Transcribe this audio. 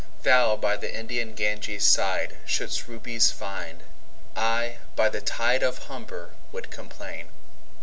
Thou by the Indian Ganges sideShould'st Rubies find: I by the TideOf Humber would complain.